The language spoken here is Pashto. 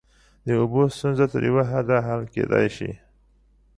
د اوبو ستونزه تر یوه حده حل کیدای شي.